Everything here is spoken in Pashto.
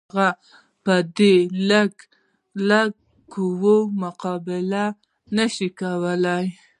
هغه په دې لږه قوه مقابله نه شوای کولای.